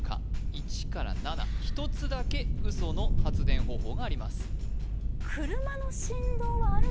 １から７１つだけウソの発電方法があります